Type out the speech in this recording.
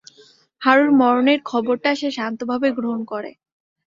হারুর মরণের খবরটা সে শান্তভাবে গ্রহণ করে।